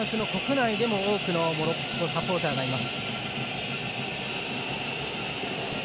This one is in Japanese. フランスの国内でも多くのモロッコサポーターがいます。